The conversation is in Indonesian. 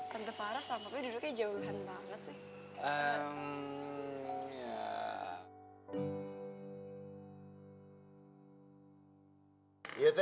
tante farah sampelnya duduknya jauhan banget sih